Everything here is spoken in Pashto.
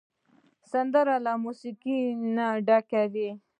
سندره له موسیقۍ نه ډکه وي